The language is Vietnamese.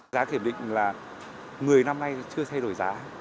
giá kiểm định là người năm nay chưa thay đổi giá